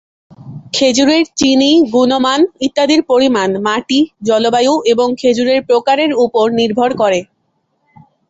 খেজুরের চিনি, গুণমান ইত্যাদির পরিমাণ মাটি, জলবায়ু এবং খেজুরের প্রকারের উপর নির্ভর করে।